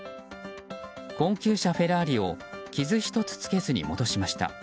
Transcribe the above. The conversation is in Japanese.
高級車フェラーリを傷１つつけずに戻しました。